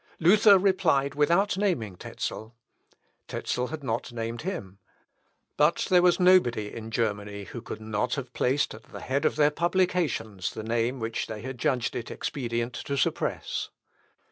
Luther replied without naming Tezel; Tezel had not named him. But there was nobody in Germany who could not have placed at the head of their publications the name which they had judged it expedient to suppress.